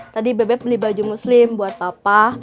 tadi beb beb beli baju muslim buat papa